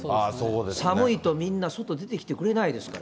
寒いとみんな、外出てきてくれないですから。